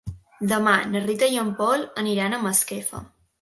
Demà na Rita i en Pol aniran a Masquefa.